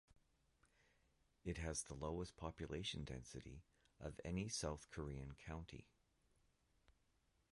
It has the lowest population density of any South Korean county.